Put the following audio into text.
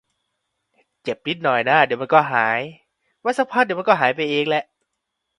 The damage sustained by the bridge required its partial closure for repairs.